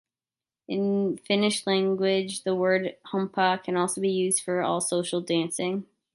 In Finnish language, the word humppa can also be used for all social dancing.